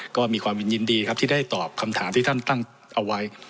ก็มีความยินดีครับที่ได้ตอบคำถามที่ท่านตั้งเอาไว้